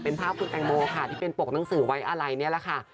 เป็นภาพคุณแตงโมค่ะที่เป็นปกหนังสือไว้อะไรนี่แหละค่ะ